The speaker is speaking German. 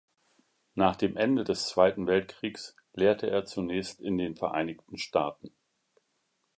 Nach dem Ende des Zweiten Weltkriegs lehrte er zunächst in den Vereinigten Staaten.